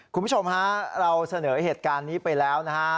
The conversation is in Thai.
คุณผู้ชมฮะเราเสนอเหตุการณ์นี้ไปแล้วนะฮะ